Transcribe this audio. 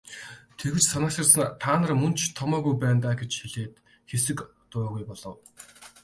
Тэгж санааширснаа "Та нар мөн ч томоогүй байна даа" гэж хэлээд хэсэг дуугүй болов.